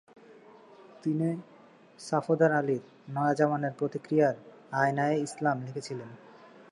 তিনি সাফদার আলীর নয়া জামানার প্রতিক্রিয়ায় আয়নায়ে ইসলাম লিখেছিলেন।